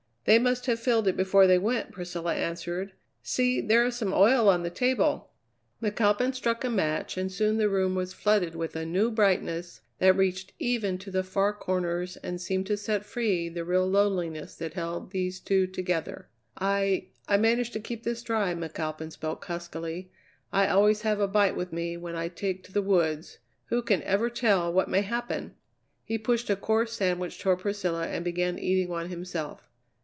"They must have filled it before they went," Priscilla answered. "See, there is some oil on the table." McAlpin struck a match and soon the room was flooded with a new brightness that reached even to the far corners and seemed to set free the real loneliness that held these two together. "I I managed to keep this dry," McAlpin spoke huskily. "I always have a bite with me when I take to the woods. Who can ever tell what may happen!" He pushed a coarse sandwich toward Priscilla and began eating one himself.